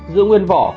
giữ nguyên vỏ